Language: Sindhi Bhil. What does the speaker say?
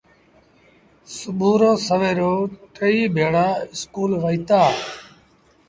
سڀو رو سويرو ٽئيٚ ڀيڙآ اسڪول وهيٚتآ۔